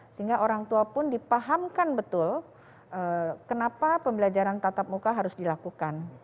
sehingga orang tua pun dipahamkan betul kenapa pembelajaran tatap muka harus dilakukan